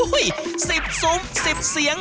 อู้้สิบซุมสิบเสียง